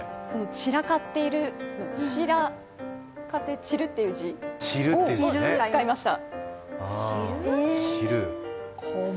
散らかっている、散るという字を使いました。